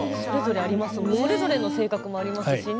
それぞれの性格もありますしね。